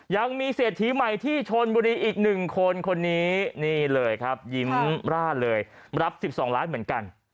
ยังมีเศรษฐีใหม่ที่ชนบุรีอีก๑คนคนนี้นี่เลยครับยิ้มร่าเลยรับ๑๒ล้านเหมือนกัน